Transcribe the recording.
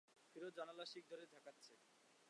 ফিরোজ জানালার শিক ধরে ঝাঁকাচ্ছে।